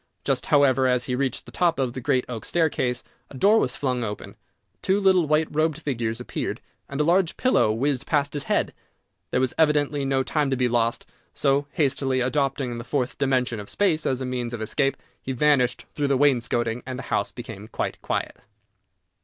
Just, however, as he reached the top of the great oak staircase, a door was flung open, two little white robed figures appeared, and a large pillow whizzed past his head! There was evidently no time to be lost, so, hastily adopting the Fourth dimension of Space as a means of escape, he vanished through the wainscoting, and the house became quite quiet.